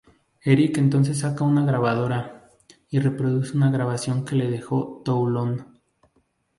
Eric entonces saca una grabadora, y reproduce una grabación que le dejó Toulon.